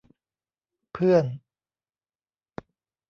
เพื่อน